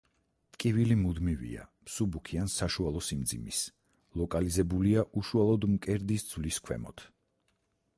ტკივილი მუდმივია, მსუბუქი ან საშუალო სიმძიმის, ლოკალიზებულია უშუალოდ მკერდის ძვლის ქვემოთ.